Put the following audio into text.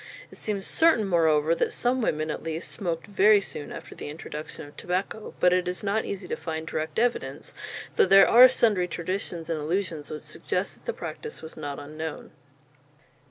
It seems certain, moreover, that some women, at least, smoked very soon after the introduction of tobacco; but it is not easy to find direct evidence, though there are sundry traditions and allusions which suggest that the practice was not unknown.